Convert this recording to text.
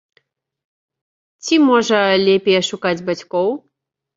Ці, можа, лепей ашукаць бацькоў?